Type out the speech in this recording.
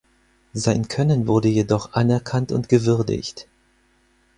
Sein Können wurde jedoch anerkannt und gewürdigt.